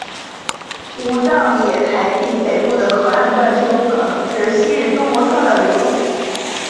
武藏野台地北部的河岸段丘可能是昔日多摩川的流路。